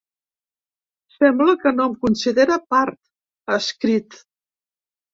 Sembla que no em considera part, ha escrit.